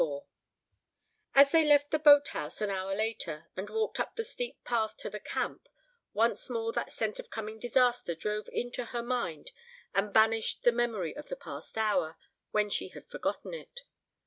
LIV As they left the boathouse an hour later and walked up the steep path to the camp, once more that sense of coming disaster drove into her mind and banished the memory of the past hour, when she had forgotten it.